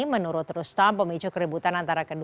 menurut rustam pemicu keributan antara kedua